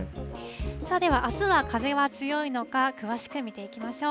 ではあすは風は強いのか、詳しく見ていきましょう。